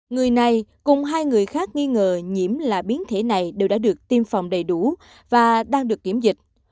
người này cùng hai người khác nghi ngờ nhiễm là biến thể này đều đã được tiêm phòng đầy đủ và đang được kiểm dịch